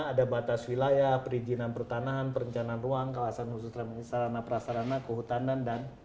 ada batas wilayah perizinan pertanahan perencanaan ruang kawasan khusus sarana prasarana kehutanan dan